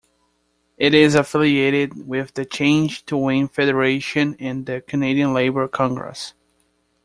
It is affiliated with the Change to Win Federation and the Canadian Labour Congress.